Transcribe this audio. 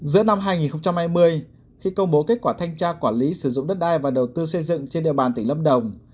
giữa năm hai nghìn hai mươi khi công bố kết quả thanh tra quản lý sử dụng đất đai và đầu tư xây dựng trên địa bàn tỉnh lâm đồng